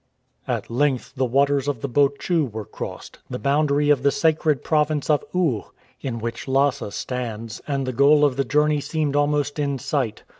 At length the waters of the Bo Chu were crossed, tlie boundary of the sacred province of U, in which Lhasa stands, and the goal of the journey seemed almost in sight.